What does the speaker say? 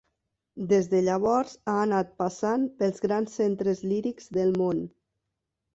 Des de llavors, ha anat passant pels grans centres lírics del món.